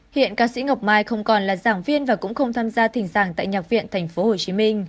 hiện ca sĩ ngọc mai không còn là giảng viên và cũng không tham gia thỉnh giảng tại nhạc viện tp hcm